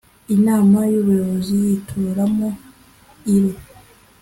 Inama y ubuyobozi yitoramo iiro